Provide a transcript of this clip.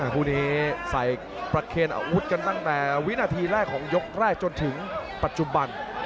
คู่นี้ใส่ประเคนอาวุธกันตั้งแต่วินาทีแรกของยกแรกจนถึงปัจจุบัน